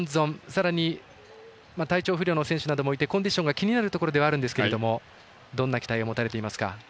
さらに体調不良の選手などもいてコンディションが気になるところではあるんですけれどもどんな期待を持たれていますか。